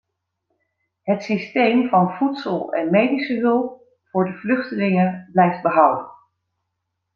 Het systeem van voedsel- en medische hulp voor de vluchtelingen blijft behouden.